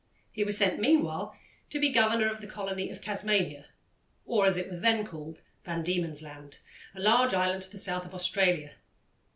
He was sent, meanwhile, to be governor of the colony of Tasmania, or, as it was then called, Van Diemen's Land, a large island to the south of Australia.